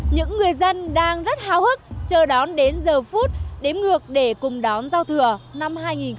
những người dân đang rất hào hức chờ đón đến giờ phút đếm ngược để cùng đón giao thừa năm hai nghìn hai mươi